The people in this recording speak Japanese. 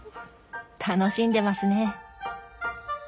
楽しんでますね。